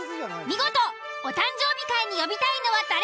見事お誕生日会に呼びたいのは誰？